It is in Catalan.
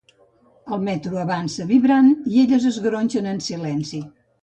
El metro avança, vibrant, i elles es gronxen en silenci.